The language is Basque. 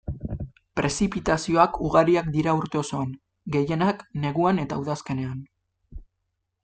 Prezipitazioak ugariak dira urte osoan, gehienak neguan eta udazkenean.